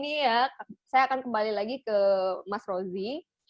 keseruan motogp nih ya saya akan kembali lagi ke mas rozzi